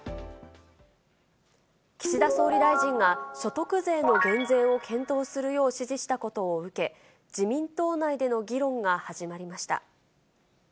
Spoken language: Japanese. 岸田総理大臣が、所得税の減税を検討するよう指示したことを受け、自民党内での議論が始まりました。